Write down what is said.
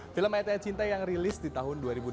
film ayatnya cinta yang rilis di tahun dua ribu delapan